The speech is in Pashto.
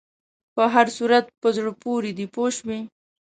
په هر صورت په زړه پورې دی پوه شوې!.